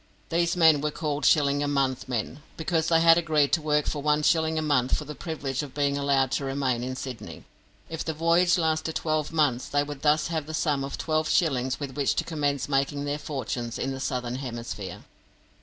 These men were called "Shilling a month" men, because they had agreed to work for one shilling a month for the privilege of being allowed to remain in Sydney. If the voyage lasted twelve months they would thus have the sum of twelve shillings with which to commence making their fortunes in the Southern Hemisphere.